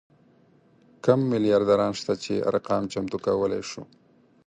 کم میلیاردران شته چې ارقام چمتو کولی شو.